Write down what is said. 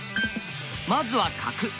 まずは角。